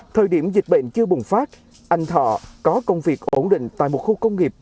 thời điểm dịch bệnh chưa bùng phát anh thọ có công việc ổn định tại một khu công nghiệp